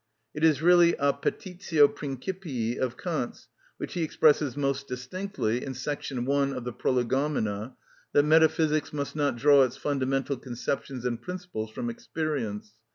It is really a petitio principii of Kant's, which he expresses most distinctly in § 1 of the Prolegomena, that metaphysics must not draw its fundamental conceptions and principles from experience.